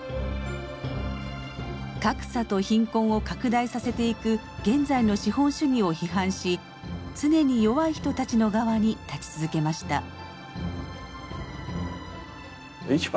格差と貧困を拡大させていく現在の資本主義を批判し常に弱い人たちの側に立ち続けました。